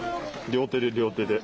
両手で、両手で。